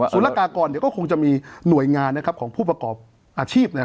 ละกากรก็คงจะมีหน่วยงานของผู้ประกอบอาชีพ